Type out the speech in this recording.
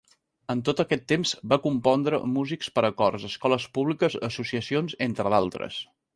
En tot aquest temps, va compondre música per a cors, escoles públiques, associacions, entre d'altres.